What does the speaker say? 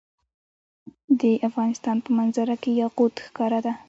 د افغانستان په منظره کې یاقوت ښکاره ده.